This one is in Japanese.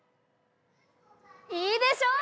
いいでしょう。